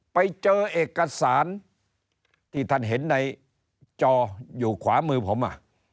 ไปเจอเอกสารที่ท่านเห็นในจออยู่ขวามือผม